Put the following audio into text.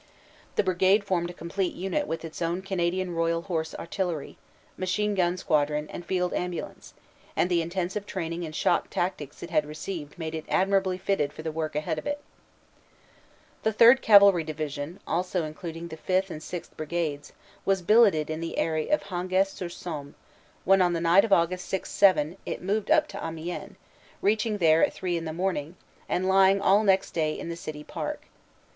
The brigade formed a complete unit with its own Canadian Royal Horse Artillery, machine gun squadron and field ambulance, and the intensive training in shock tactics it had received made it admirably fitted for the work ahead of it. 72 CANADA S HUNDRED DAYS The Third Cavalry Division, also including the 5th. and 6th. Brigades, was billeted in the area of Hangest sur Somme, when on the night of Aug. 6 7 it moved up to Amiens, reaching there at three in the morning, and lying all next day in the city park.